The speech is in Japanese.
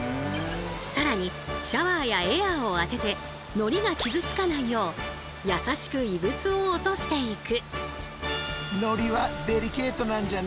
更にシャワーやエアーを当てて海苔が傷つかないよう優しく異物を落としていく。